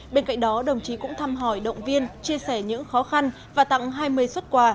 bên cạnh đó đồng chí cũng thăm hỏi động viên chia sẻ những khó khăn và tặng hai mươi xuất quà